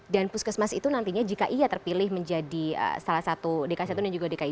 dan puskesmas itu nantinya jika ia terpilih menjadi salah satu dki satu dan juga dki dua